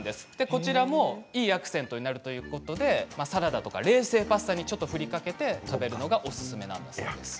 こちらもいいアクセントになるということでサラダや冷製パスタに振りかけて食べるのもおすすめです。